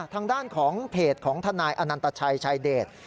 ทางด้านของเพจของทนายอนันตชัยชายเดช